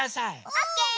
オッケー。